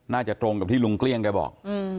น่าจะตรงกับที่ลุงเกลี้ยงกันบอก